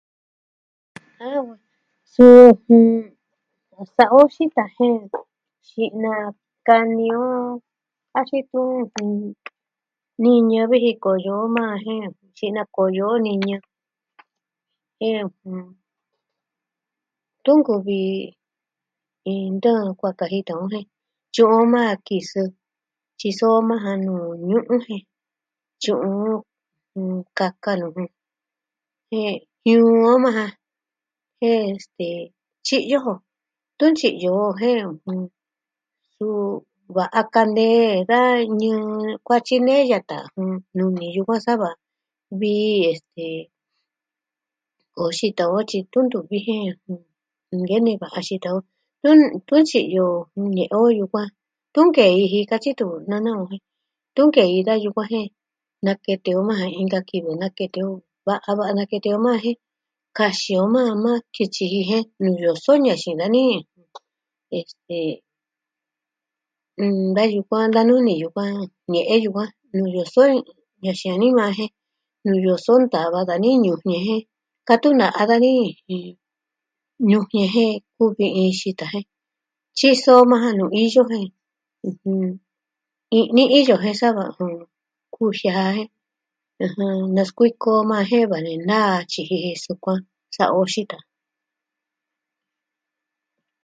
Suu, sa'a o xita jen, xi'na kani o axin tun niñɨ viji koyo maa jen. xi'na koyo niñɨ. Jen tunkuvi iin tɨɨn kuaa kajita o jen tyu'un maa kisɨ. Tyiso majan nuu ñu'un jen tyu'un kaka jen jiuu o majan. Jen, este... tyi'yo jo. Tun tyi'yo jo jen suu, va'a kanee da ñɨɨ kuaa tyinee yata. Nuni yukuan sava vii este, o xita o tyi tun ntuviji nkene va'a xita o. Tun ntyi'yo kunee o yukuan. Tunkei ji katyi tun nana o jen tunkei da yukuan jen. Nakete o majan inka kivɨ nakete o, va'a va'a nakete o majan jen kaxin o majan maa ki tyiji jen nuu yoso ñaxin dani. Este... da yukuan, da nuni yukuan. Ñe'e yukuan, nuu yoso yaxin a ni maa jen nuu yoso ntava dani ñujñeje Katu na'a dani. ñujien jen uvi iin xita jen. Tyiso majna nuu iyo jen i'ni iyo jen sava jun kuxii a e. Naskuiko o majan jen va nee naa tyiji jen sukuan sa'a o xita.